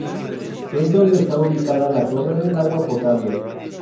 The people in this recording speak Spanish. Es donde está ubicada la torre del agua potable.